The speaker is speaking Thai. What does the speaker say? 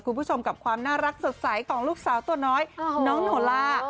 คุณผู้ชมกับความน่ารักสดใสของลูกสาวตัวน้อยน้องโนล่า